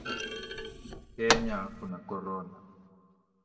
Kenya kuna korona